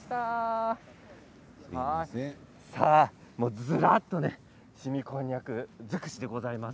ずらっとしみこんにゃく尽くしでございます。